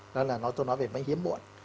đó là tôi nói về máy hiếm muộn